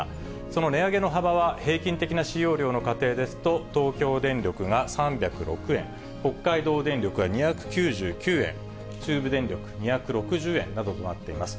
その値上げの幅は平均的な使用量の家庭ですと、東京電力が３０６円、北海道電力が２９９円、中部電力２６０円などとなっています。